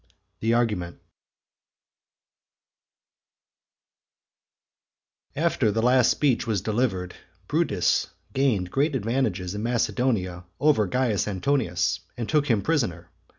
THE ARGUMENT. After the last speech was delivered, Brutus gained great advantages in Macedonia over Caius Antonius, and took him prisoner.